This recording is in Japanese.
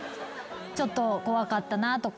ちょっと怖かったなぁとか。